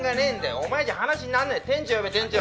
お前じゃ話になんねえ店長呼べ店長！